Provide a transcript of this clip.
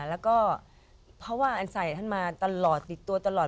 แล้วก็เพราะว่าอันใส่ท่านมาตลอดติดตัวตลอด